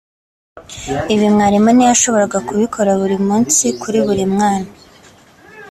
Ibi mwarimu ntiyashobora kubikora buri munsi kuri buri mwana